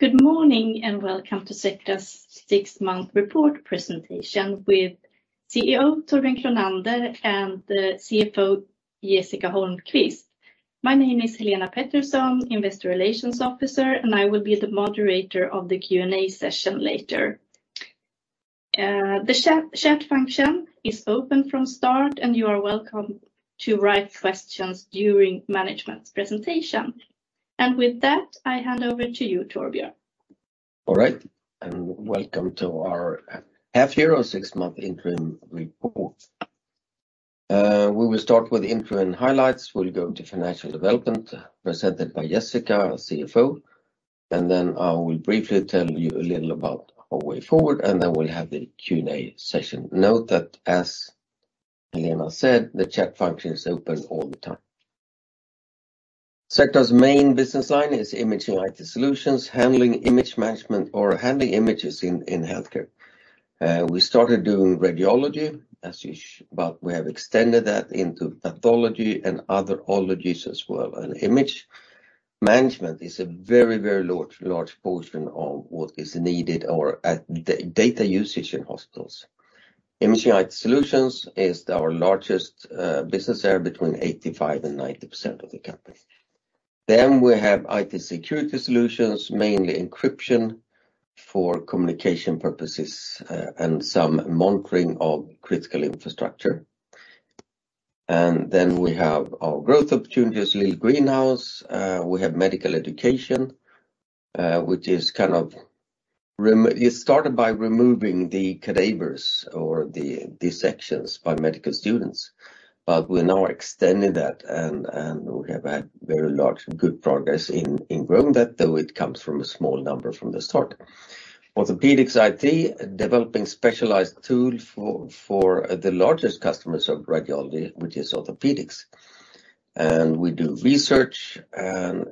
Good morning, and welcome to Sectra's Six-Month Report Presentation with CEO Torbjörn Kronander and CFO Jessica Holmquist. My name is Helena Pettersson, Investor Relations Officer, and I will be the moderator of the Q&A session later. The chat function is open from start, and you are welcome to write questions during management's presentation. With that, I hand over to you, Torbjörn. All right. Welcome to our half year or six-month interim report. We will start with interim highlights. We'll go into financial development presented by Jessica, our CFO. Then I will briefly tell you a little about our way forward. Then we'll have the Q&A session. Note that, as Helena said, the chat function is open all the time. Sectra's main business line is Imaging IT Solutions, handling image management or handling images in healthcare. We started doing radiology, but we have extended that into pathology and other ologies as well. Image management is a very large portion of what is needed or at the data usage in hospitals. Imaging IT Solutions is our largest business area between 85% and 90% of the company. We have IT security solutions, mainly encryption for communication purposes and some monitoring of critical infrastructure. We have our growth opportunities, little greenhouse. We have medical education, which is kind of It started by removing the cadavers or the dissections by medical students, but we now extended that and we have had very large good progress in growing that, though it comes from a small number from the start. Orthopedics IT, developing specialized tool for the largest customers of radiology, which is orthopedics. We do research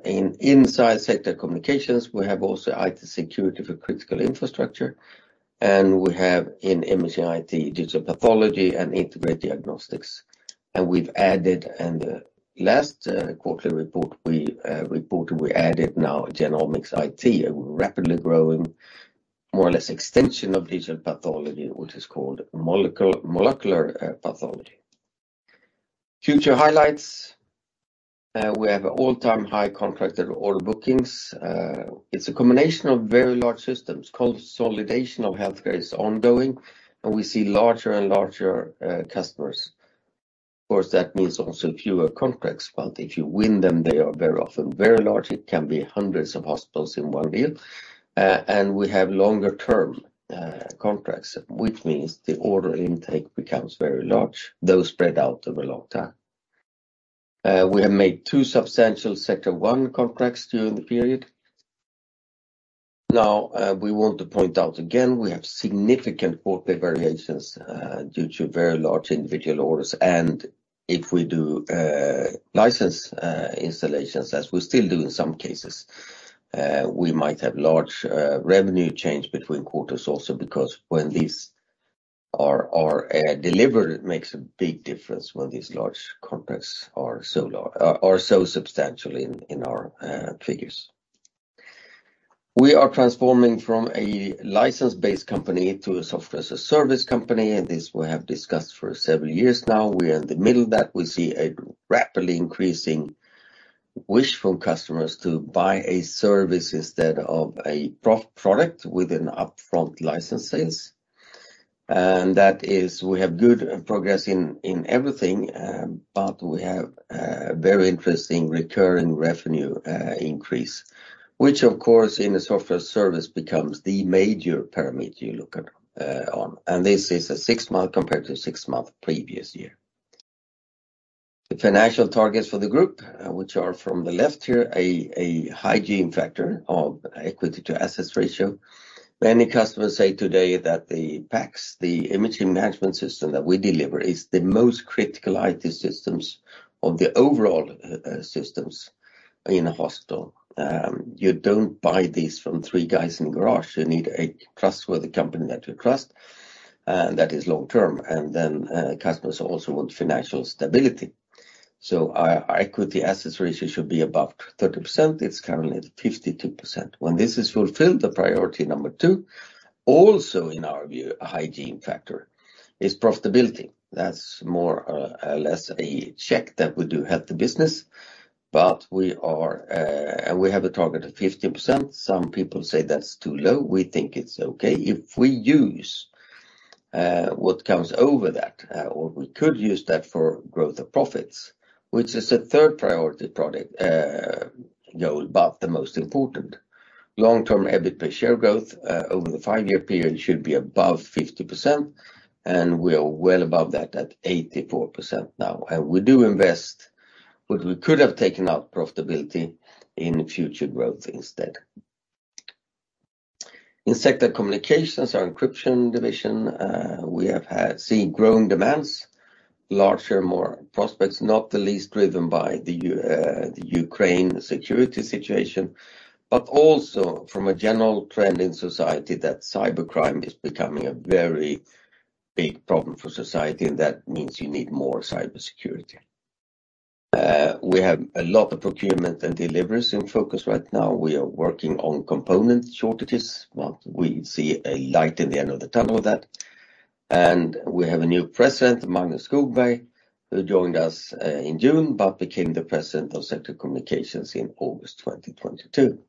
in inside Sectra Communications. We have also IT security for critical infrastructure, and we have in imaging IT, digital pathology, and integrated diagnostics. We've added in the last quarterly report we reported, we added now Genomics IT, a rapidly growing, more or less extension of digital pathology, which is called molecular pathology. Future highlights. We have all-time high contracted order bookings. It's a combination of very large systems. Consolidation of healthcare is ongoing, and we see larger and larger customers. Of course, that means also fewer contracts, but if you win them, they are very often very large. It can be hundreds of hospitals in one deal. We have longer term contracts, which means the order intake becomes very large, though spread out over a long time. We have made two substantial Sectra One contracts during the period. Now, we want to point out again, we have significant quarter variations due to very large individual orders. If we do license installations, as we still do in some cases, we might have large revenue change between quarters also because when these are delivered, it makes a big difference when these large contracts are so substantial in our figures. We are transforming from a license-based company to a software-as-a-service company. This we have discussed for several years now. We are in the middle of that. We see a rapidly increasing wish from customers to buy a service instead of a pro-product with an upfront license sales. That is we have good progress in everything, but we have a very interesting recurring revenue increase, which of course, in a software service becomes the major parameter you look at on. This is a six-month compared to six-month previous year. The financial targets for the group, which are from the left here, a hygiene factor of equity to assets ratio. Many customers say today that the PACS, the imaging management system that we deliver is the most critical IT systems of the overall systems in a hospital. You don't buy these from three guys in a garage. You need a trustworthy company that you trust, and that is long term. Customers also want financial stability. Our equity assets ratio should be above 30%. It's currently at 52%. When this is fulfilled, the priority number two, also in our view, a hygiene factor, is profitability. That's more or less a check that we do have the business, and we have a target of 50%. Some people say that's too low. We think it's okay. If we use what comes over that, or we could use that for growth of profits, which is the third priority product goal, but the most important. Long-term EBIT per share growth over the five-year period should be above 50%, and we are well above that at 84% now. We do invest, but we could have taken out profitability in future growth instead. In Sectra Communications, our encryption division, we have had seen growing demands, larger, more prospects, not the least driven by the Ukraine security situation, but also from a general trend in society that cybercrime is becoming a very big problem for society, and that means you need more cybersecurity. We have a lot of procurement and deliveries in focus right now. We are working on component shortages. We see a light at the end of the tunnel with that. We have a new President, Magnus Skogberg, who joined us in June but became the President of Sectra Communications in August 2022.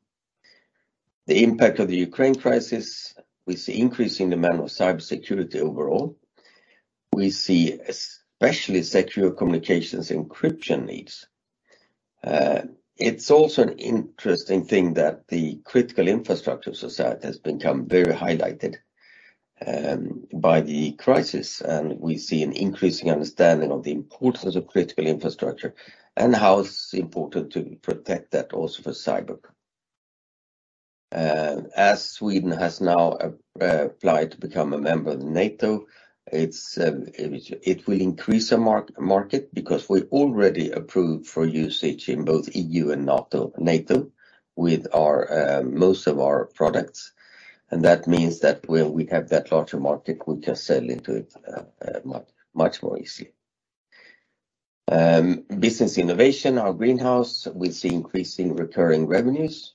The impact of the Ukraine crisis, we see increase in demand for cybersecurity overall. We see especially Secure Communications encryption needs. It's also an interesting thing that the critical infrastructure of society has become very highlighted by the crisis, and we see an increasing understanding of the importance of critical infrastructure and how it's important to protect that also for cyber. As Sweden has now applied to become a member of NATO, it's, it will increase our market because we're already approved for usage in both EU and NATO with our most of our products. That means that when we have that larger market, we can sell into it much more easily. Business Innovation, our greenhouse, we see increase in recurring revenues.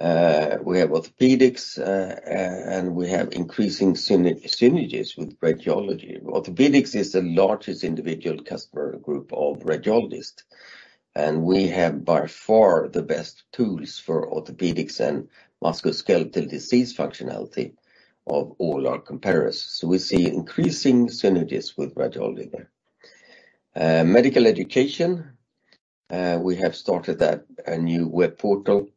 We have orthopedics, and we have increasing synergies with radiology. Orthopedics is the largest individual customer group of radiologists, and we have by far the best tools for orthopedics and musculoskeletal disease functionality of all our competitors. We see increasing synergies with radiology there. Medical education, we have started a new web portal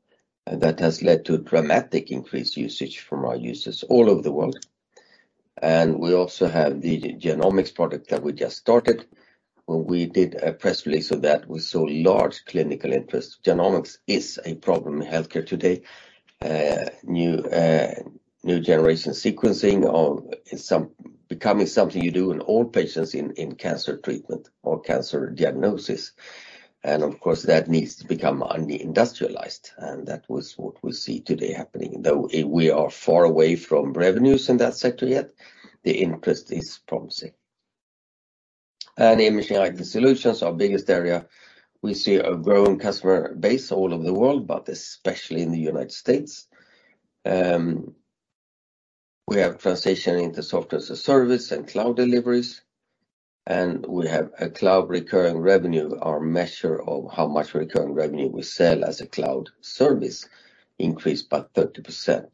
that has led to a dramatic increased usage from our users all over the world. We also have the genomics product that we just started. When we did a press release of that, we saw large clinical interest. Genomics is a problem in healthcare today. New generation sequencing or becoming something you do in all patients in cancer treatment or cancer diagnosis. Of course, that needs to become un-industrialized, and that was what we see today happening, though we are far away from revenues in that sector yet, the interest is promising. Imaging IT Solutions, our biggest area, we see a growing customer base all over the world, but especially in the United States. We have transition into software as a service and cloud deliveries, and we have a cloud recurring revenue. Our measure of how much recurring revenue we sell as a cloud service increased by 30%.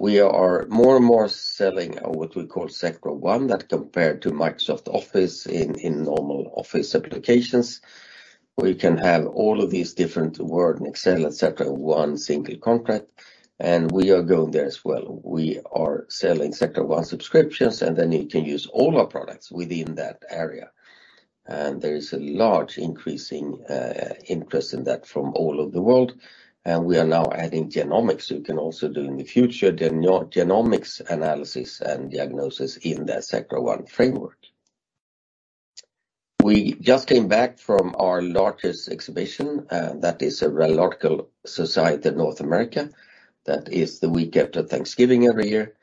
We are more and more selling what we call Sectra One that compared to Microsoft Office in normal Office applications. We can have all of these different Word and Excel, et cetera, one single contract. We are going there as well. We are selling Sectra One subscriptions. Then you can use all our products within that area. There is a large increasing interest in that from all over the world. We are now adding genomics. You can also do in the future genomics analysis and diagnosis in the Sectra One framework. We just came back from our largest exhibition, that is Radiological Society of North America. That is the week after Thanksgiving every year.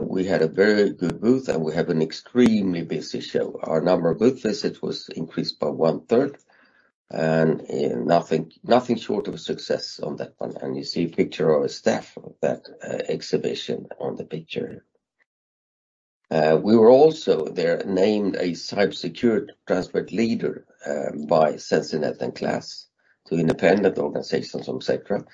We had a very good booth. We had an extremely busy show. Our number of booth visits was increased by 1/3. Nothing short of success on that one. You see a picture of our staff of that exhibition on the picture. We were also there named a Cybersecurity Transparent Leader by Censinet and KLAS, two independent organizations on Sectra.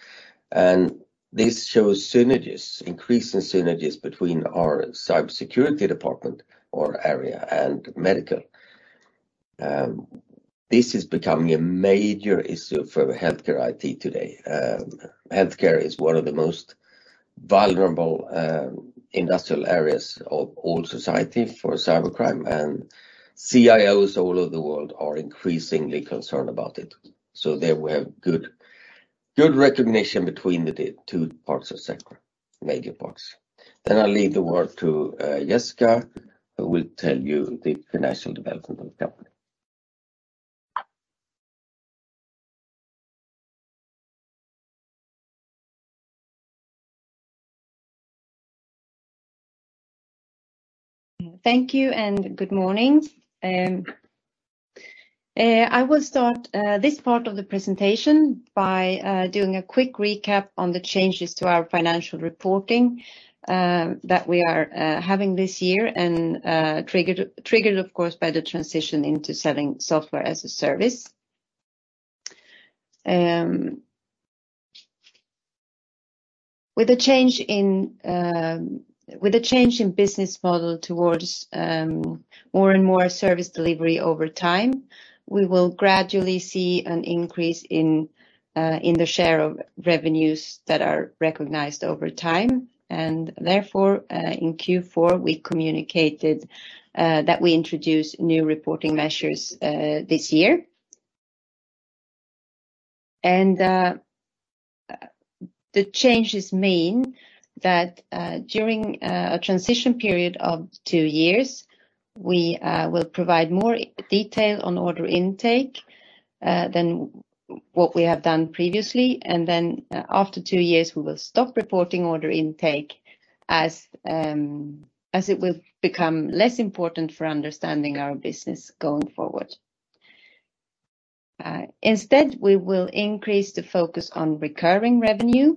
This shows synergies, increasing synergies between our cybersecurity department or area and medical. This is becoming a major issue for healthcare IT today. Healthcare is one of the most vulnerable industrial areas of all society for cybercrime, and CIOs all over the world are increasingly concerned about it. There we have good recognition between the two parts of Sectra, major parts. I'll leave the word to Jessica, who will tell you the financial development of the company. Thank you and good morning. I will start this part of the presentation by doing a quick recap on the changes to our financial reporting that we are having this year and triggered of course, by the transition into selling software as a service. With the change in business model towards more and more service delivery over time, we will gradually see an increase in the share of revenues that are recognized over time. Therefore, in Q4, we communicated that we introduce new reporting measures this year. The changes mean that during a transition period of two years, we will provide more detail on order intake than what we have done previously, and then after two years, we will stop reporting order intake as it will become less important for understanding our business going forward. Instead, we will increase the focus on recurring revenue,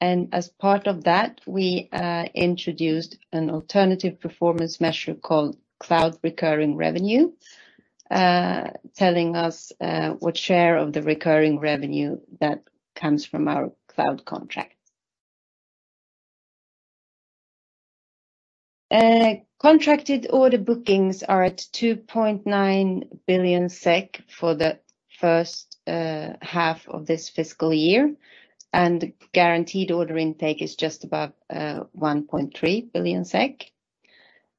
and as part of that, we introduced an alternative performance measure called cloud recurring revenue, telling us what share of the recurring revenue that comes from our cloud contracts. Contracted order bookings are at 2.9 billion SEK for the first half of this fiscal year, and guaranteed order intake is just about 1.3 billion SEK.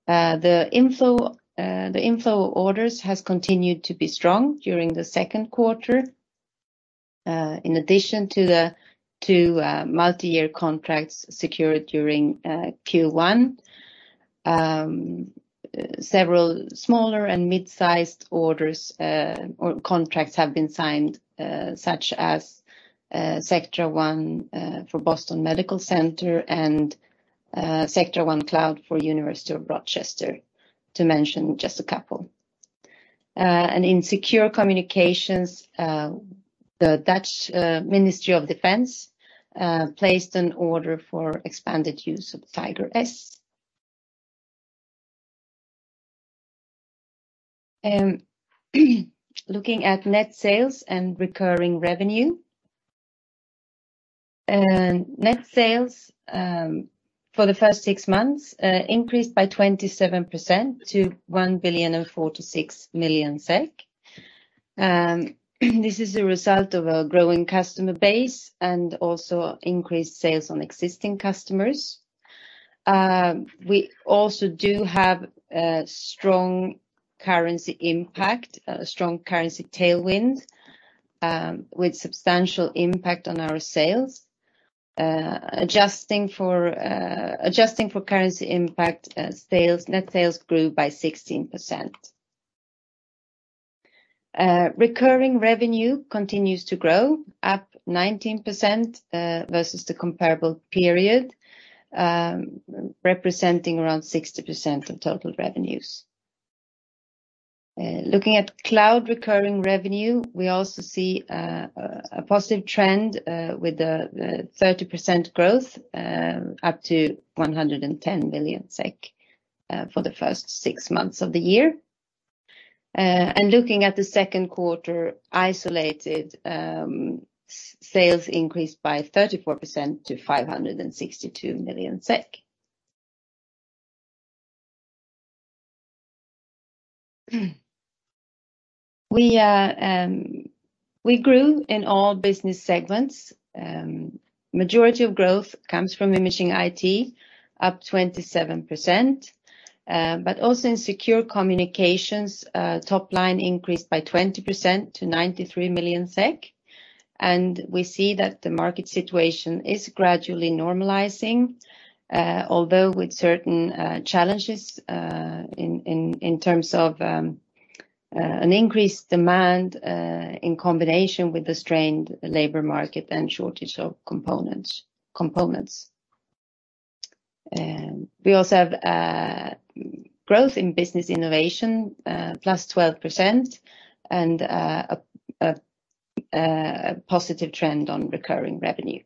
The inflow orders has continued to be strong during the second quarter. In addition to the multi-year contracts secured during Q1, several smaller and mid-sized orders or contracts have been signed, such as Sectra One for Boston Medical Center and Sectra One Cloud for University of Rochester, to mention just a couple. In Secure Communications, the Dutch Ministry of Defence placed an order for expanded use of Tiger/S. Looking at net sales and recurring revenue. Net sales for the first six months increased by 27% to 1,046 million SEK. This is a result of a growing customer base and also increased sales on existing customers. We also do have a strong currency impact, a strong currency tailwind, with substantial impact on our sales. Adjusting for currency impact, sales, net sales grew by 16%. Recurring revenue continues to grow, up 19% versus the comparable period, representing around 60% of total revenues. Looking at cloud recurring revenue, we also see a positive trend with the 30% growth up to 110 million SEK for the first six months of the year. Looking at the second quarter isolated, sales increased by 34% to 562 million SEK. We grew in all business segments. Majority of growth comes from Imaging IT, up 27%. In Secure Communications, top line increased by 20% to 93 million SEK. We see that the market situation is gradually normalizing, although with certain challenges in terms of an increased demand in combination with the strained labor market and shortage of components. We also have growth in Business Innovation, +12%, and a positive trend on recurring revenue.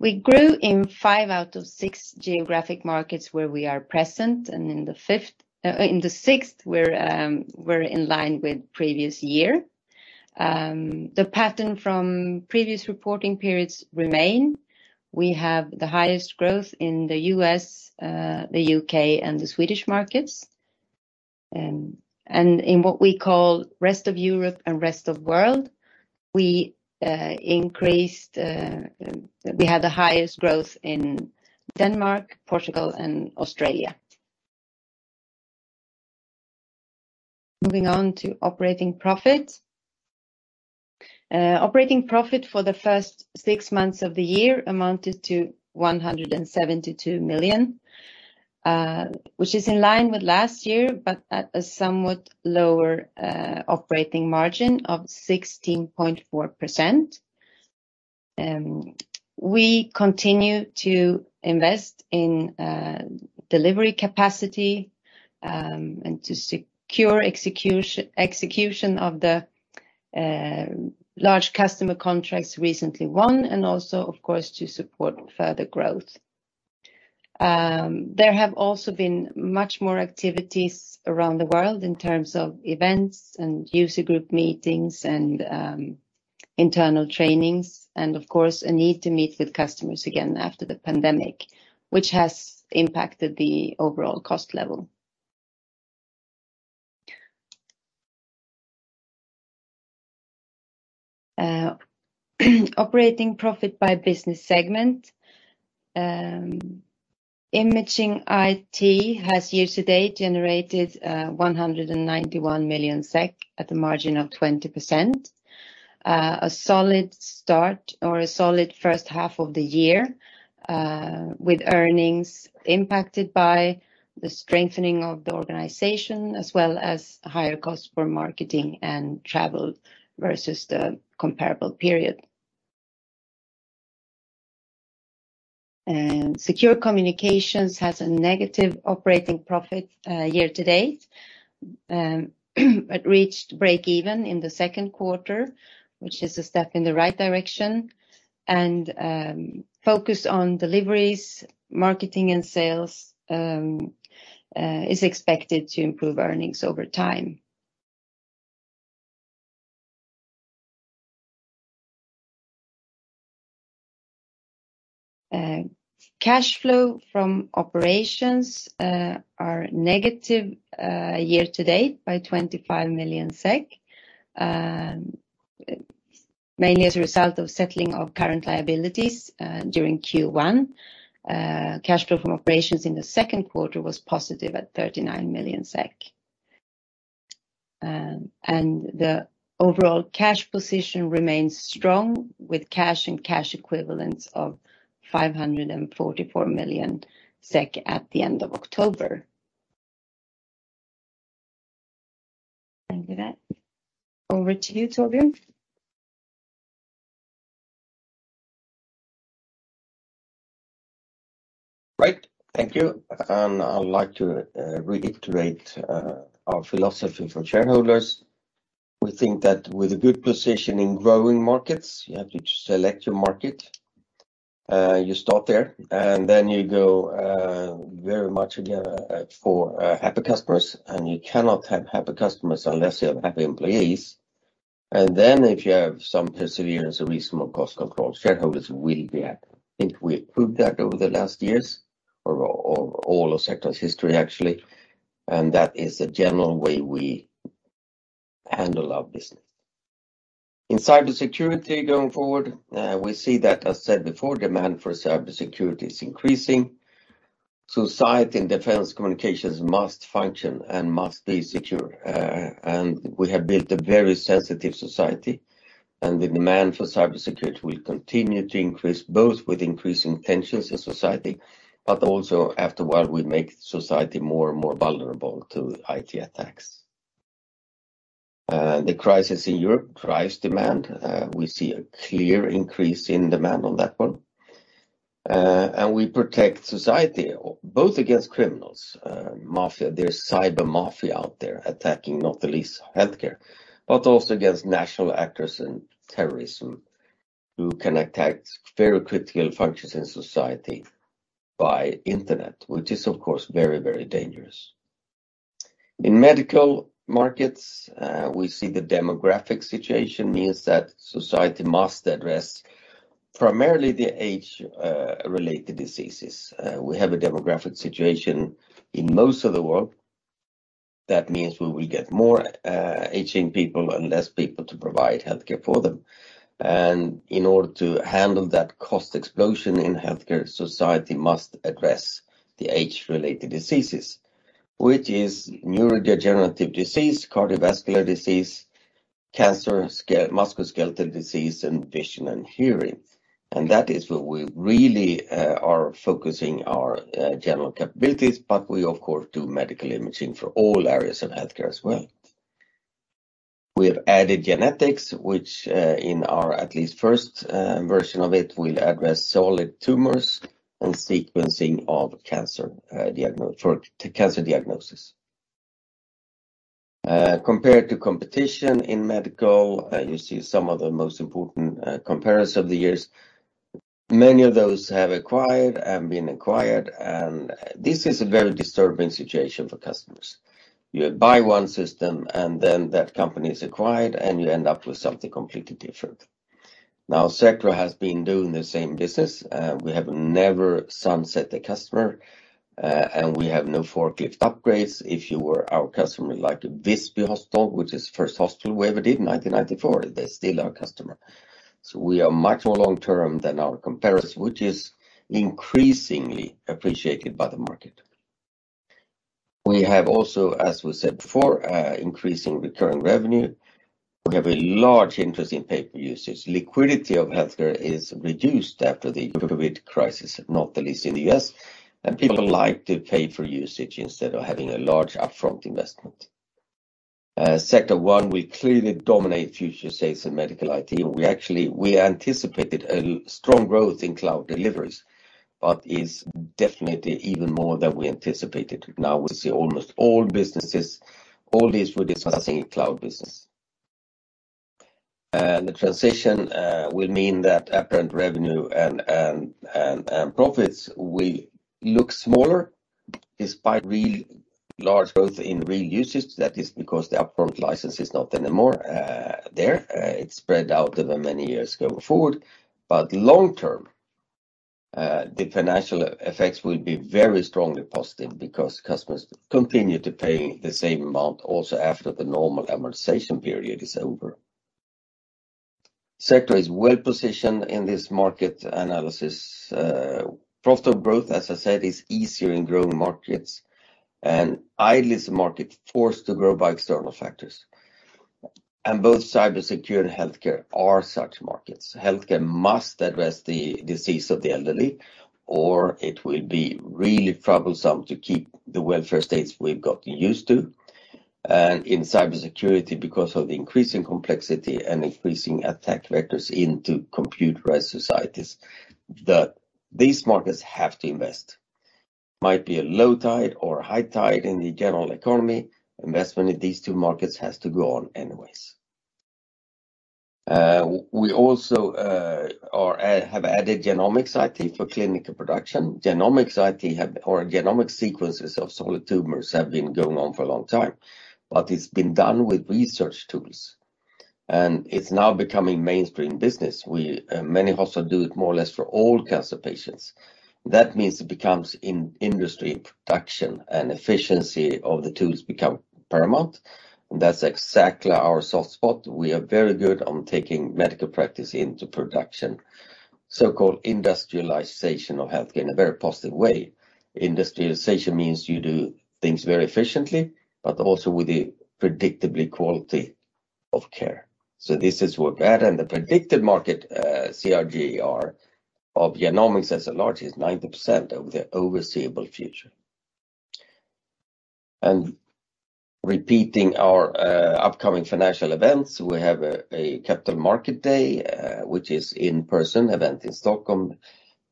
We grew in five out of six geographic markets where we are present. In the sixth, we're in line with previous year. The pattern from previous reporting periods remain. We have the highest growth in the U.S., the U.K., and the Swedish markets. In what we call rest of Europe and rest of world, we increased, we had the highest growth in Denmark, Portugal, and Australia. Moving on to operating profit. Operating profit for the first six months of the year amounted to 172 million, which is in line with last year, but at a somewhat lower operating margin of 16.4%. We continue to invest in delivery capacity and to secure execution of the large customer contracts recently won, and also, of course, to support further growth. There have also been much more activities around the world in terms of events and user group meetings and internal trainings and, of course, a need to meet with customers again after the pandemic, which has impacted the overall cost level. Operating profit by business segment. Imaging IT has year-to-date generated 191 million SEK at the margin of 20%. A solid start or a solid first half of the year, with earnings impacted by the strengthening of the organization as well as higher costs for marketing and travel versus the comparable period. Secure Communications has a negative operating profit year-to-date, but reached break-even in the second quarter, which is a step in the right direction and focus on deliveries, marketing and sales is expected to improve earnings over time. Cash flow from operations are negative year-to-date by SEK 25 million, mainly as a result of settling of current liabilities during Q1. Cash flow from operations in the second quarter was positive at 39 million SEK. The overall cash position remains strong with cash and cash equivalents of 544 million SEK at the end of October. With that, over to you, Torbjörn. Right. Thank you. I'd like to reiterate our philosophy for shareholders. We think that with a good position in growing markets, you have to select your market. You start there, and then you go very much together for happy customers. You cannot have happy customers unless you have happy employees. If you have some perseverance, a reasonable cost control, shareholders will be happy. I think we approved that over the last years or all of Sectra's history, actually, and that is the general way we handle our business. In cybersecurity going forward, we see that, as said before, demand for cybersecurity is increasing. Society and defense communications must function and must be secure. We have built a very sensitive society, and the demand for cybersecurity will continue to increase, both with increasing tensions in society, but also after a while, will make society more and more vulnerable to IT attacks. The crisis in Europe drives demand. We see a clear increase in demand on that one. We protect society both against criminals, mafia. There's cyber mafia out there attacking not the least healthcare, but also against national actors and terrorism who can attack very critical functions in society by internet, which is of course, very, very dangerous. In medical markets, we see the demographic situation means that society must address primarily the age related diseases. We have a demographic situation in most of the world. That means we will get more aging people and less people to provide healthcare for them. In order to handle that cost explosion in healthcare, society must address the age-related diseases, which is neurodegenerative disease, cardiovascular disease, cancer, musculoskeletal disease, and vision and hearing. That is where we really are focusing our general capabilities. We of course, do medical imaging for all areas of healthcare as well. We have added Genomics IT, which, in our at least first version of it, will address solid tumors and sequencing of cancer for cancer diagnosis. Compared to competition in medical, you see some of the most important comparisons of the years. Many of those have acquired and been acquired, and this is a very disturbing situation for customers. You buy one system and then that company is acquired, and you end up with something completely different. Now, Sectra has been doing the same business. We have never sunset the customer, we have no forklift upgrades. If you were our customer, like Visby Hospital, which is first hospital we ever did in 1994, they're still our customer. We are much more long-term than our comparison, which is increasingly appreciated by the market. We have also, as we said before, increasing recurring revenue. We have a large interest in pay per usage. Liquidity of healthcare is reduced after the COVID crisis, not the least in the U.S., and people like to pay for usage instead of having a large upfront investment. Sectra One will clearly dominate future sales in medical IT. We anticipated a strong growth in cloud deliveries, but it's definitely even more than we anticipated. Now we see almost all businesses, all these were discussing cloud business. The transition will mean that upfront revenue and profits will look smaller despite really large growth in real usage. That is because the upfront license is not anymore there. It's spread out over many years going forward. Long term, the financial effects will be very strongly positive because customers continue to pay the same amount also after the normal amortization period is over. Sectra is well-positioned in this market analysis. Profit growth, as I said, is easier in growing markets, and ideally it's a market forced to grow by external factors. Both cybersecurity and healthcare are such markets. Healthcare must address the disease of the elderly, or it will be really troublesome to keep the welfare states we've gotten used to. In cybersecurity, because of the increasing complexity and increasing attack vectors into computerized societies, these markets have to invest. Might be a low tide or a high tide in the general economy. Investment in these two markets has to go on anyways. We also have added Genomics IT for clinical production. Genomics IT or genomic sequences of solid tumors have been going on for a long time, but it's been done with research tools, and it's now becoming mainstream business. We, many hospitals do it more or less for all cancer patients. That means it becomes in-industry production, and efficiency of the tools become paramount. That's exactly our soft spot. We are very good on taking medical practice into production, so-called industrialization of healthcare, in a very positive way. Industrialization means you do things very efficiently but also with the predictably quality of care. This is what we add. The predicted market CAGR of genomics as a large is 90% over the foreseeable future. Repeating our upcoming financial events, we have a capital market day, which is in-person event in Stockholm.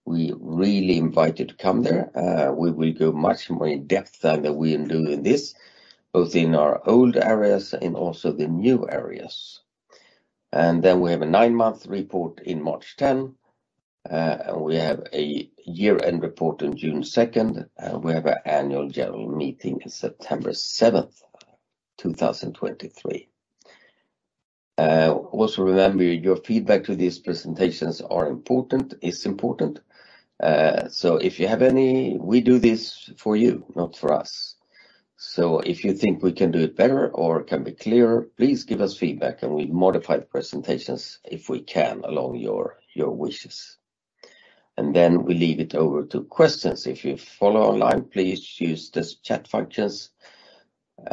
We really invite you to come there. We will go much more in-depth than we do in this, both in our old areas and also the new areas. Then we have a nine-month report in March 10, and we have a year-end report on June 2nd, and we have our annual general meeting September 7th, 2023. Remember, your feedback to these presentations is important. If you have any, we do this for you, not for us. If you think we can do it better or it can be clearer, please give us feedback, and we modify the presentations if we can along your wishes. We leave it over to questions. If you follow online, please use these chat functions. We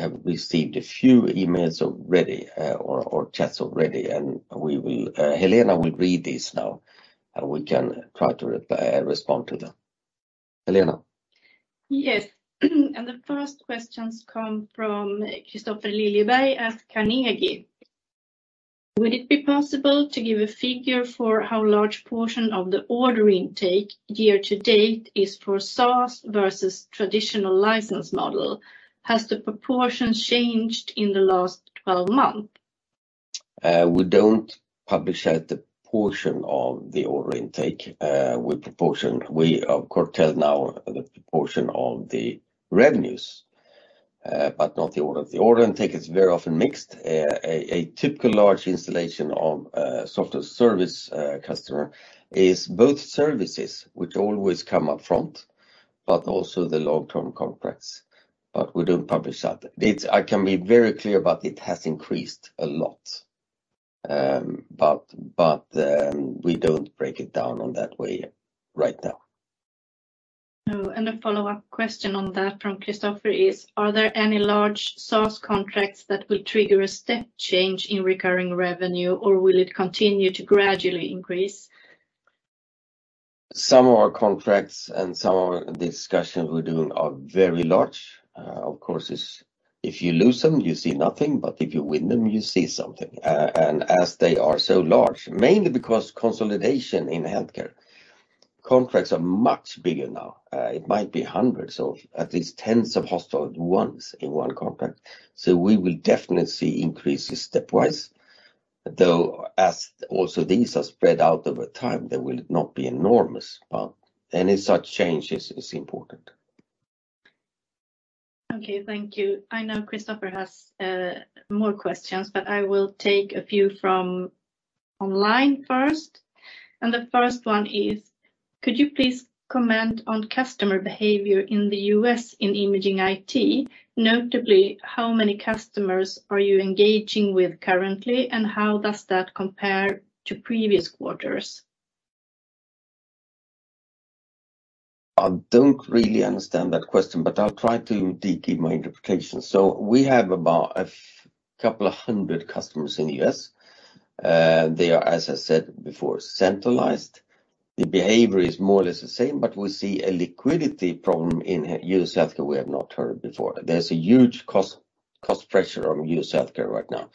have received a few emails already or chats already, and we will, Helena will read these now, and we can try to respond to them. Helena. Yes. The first questions come from Kristofer Liljeberg at Carnegie. Would it be possible to give a figure for how large portion of the order intake year to date is for SaaS versus traditional license model? Has the proportion changed in the last 12 months? We don't publish out the portion of the order intake. We of course tell now the proportion of the revenues, but not the order. The order intake is very often mixed. A typical large installation of a software service customer is both services, which always come up front, but also the long-term contracts. We don't publish that. I can be very clear about it has increased a lot. We don't break it down on that way right now. A follow-up question on that from Kristofer is, are there any large SaaS contracts that will trigger a step change in recurring revenue, or will it continue to gradually increase? Some of our contracts and some of the discussions we're doing are very large. Of course is if you lose them, you see nothing, but if you win them, you see something. As they are so large, mainly because consolidation in healthcare contracts are much bigger now. It might be hundreds of, at least tens of hospital ones in one contract. We will definitely see increases stepwise, though as also these are spread out over time, they will not be enormous. Any such change is important. Okay. Thank you. I know Kristofer has more questions, but I will take a few from online first. The first one is, could you please comment on customer behavior in the U.S. in Imaging IT, notably how many customers are you engaging with currently, and how does that compare to previous quarters? I don't really understand that question, but I'll try to give my interpretation. We have about a couple of 100 customers in the U.S. They are, as I said before, centralized. The behavior is more or less the same, but we see a liquidity problem in U.S. healthcare we have not heard before. There's a huge cost pressure on U.S. healthcare right now.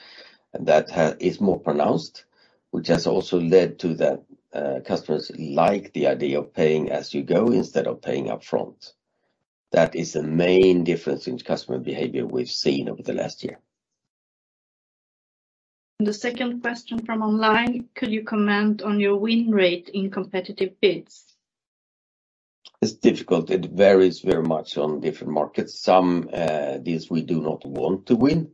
That is more pronounced, which has also led to the customers like the idea of paying as you go instead of paying up front. That is the main difference in customer behavior we've seen over the last year. The second question from online, could you comment on your win rate in competitive bids? It's difficult. It varies very much on different markets. Some deals we do not want to win.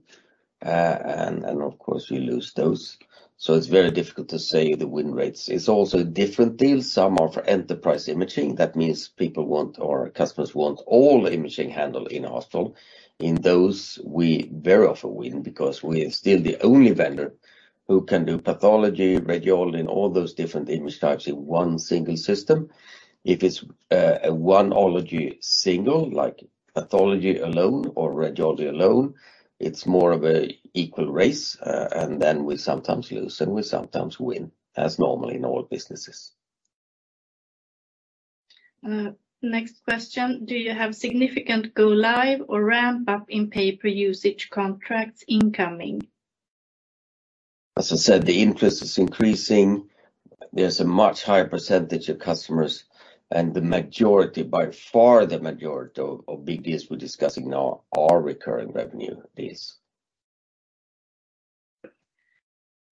Of course, we lose those, so it's very difficult to say the win rates. It's also different deals. Some are for enterprise imaging. That means people want or customers want all the imaging handled in a hospital. In those, we very often win because we are still the only vendor who can do pathology, radiology, and all those different image types in one single system. If it's a oneology single, like pathology alone or radiology alone, it's more of a equal race, then we sometimes lose, and we sometimes win, as normal in all businesses. Next question. Do you have significant go live or ramp up in pay-per-usage contracts incoming? As I said, the interest is increasing. There's a much higher percentage of customers, and the majority, by far the majority of big deals we're discussing now are recurring revenue deals.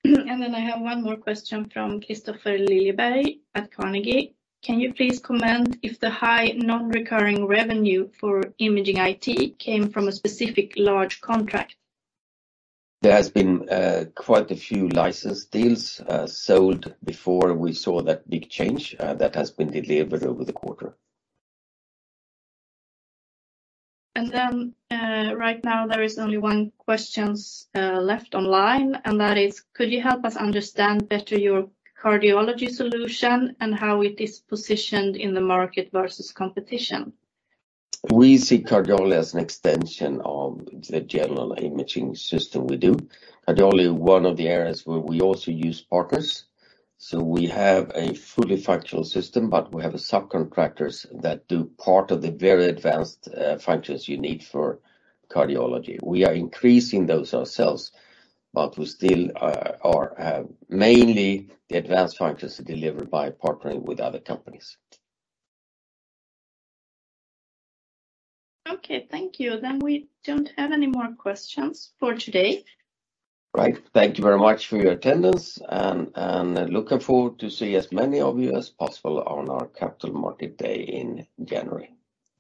I have one more question from Kristofer Liljeberg at Carnegie. Can you please comment if the high non-recurring revenue for Imaging IT came from a specific large contract? There has been quite a few license deals sold before we saw that big change that has been delivered over the quarter. Right now, there is only one questions left online, and that is, could you help us understand better your cardiology solution and how it is positioned in the market versus competition? We see cardiology as an extension of the general imaging system we do. Cardiology, one of the areas where we also use partners, so we have a fully factual system, but we have subcontractors that do part of the very advanced functions you need for cardiology. We are increasing those ourselves, we still are mainly the advanced functions are delivered by partnering with other companies. Okay, thank you. We don't have any more questions for today. Right. Thank you very much for your attendance and looking forward to see as many of you as possible on our Capital Market Day in January.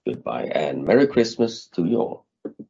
Goodbye, and merry Christmas to you all.